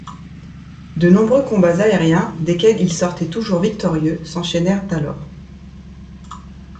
De nombreux combats aériens, desquels il sortait toujours victorieux, s'enchaînèrent alors.